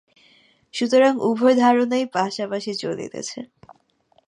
সুতরাং উভয় ধারণাই পাশাপাশি চলিতেছে।